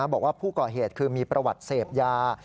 บอกว่าผู้ก่อเหตุคือมีประวัติเสพยา